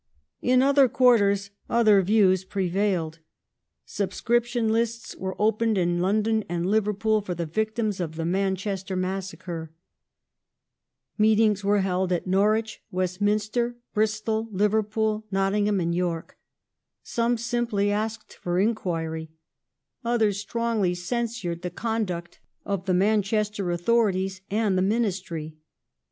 In other quarters other views prevailed. Subscription lists were opened in London and Liverpool for the victims of the "Manchester massacre"; meetings were held at Norwich, West minster, Bristol, Liverpool, Nottingham, and York ; some simply asked for inquiry, others strongly censured the conduct of the Manchester authorities and the Ministry.